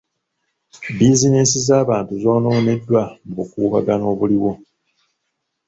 Bizinensi z'abantu zoonooneddwa mu bukuubagano obuliwo.